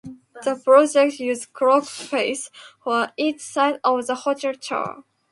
The project uses clock faces for each side of the hotel tower.